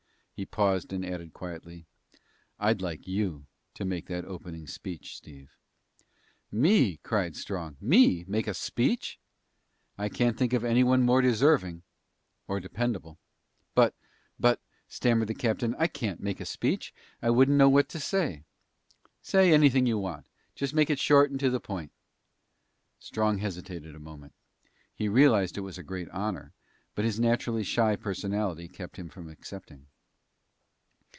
He paused and added quietly, "I'd like you to make that opening speech, Steve." "Me!" cried Strong. "Me, make a speech?" "I can't think of anyone more deserving or dependable." "But but " stammered the captain, "I can't make a speech. I wouldn't know what to say." "Say anything you want. Just make it short and to the point." Strong hesitated a moment. He realized it was a great honor, but his naturally shy personality kept him from accepting.